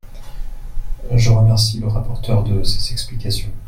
Je remercie le rapporteur de ses explications.